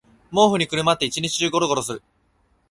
毛布にくるまって一日中ゴロゴロする